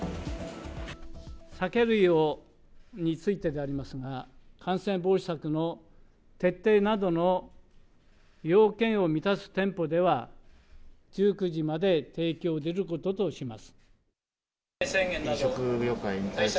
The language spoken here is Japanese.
酒類についてでありますが、感染防止策の徹底などの要件を満たす店舗では、１９時まで提供できることとします。